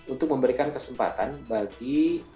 untuk memberikan kesempatan bagi